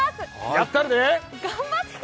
やったるで！